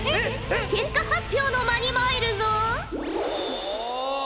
結果発表の間に参るぞ。